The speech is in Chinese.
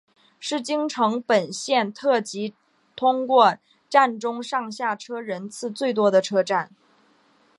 是京成本线特急通过站中上下车人次最多的车站。